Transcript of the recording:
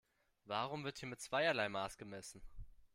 Warum wird hier mit zweierlei Maß gemessen?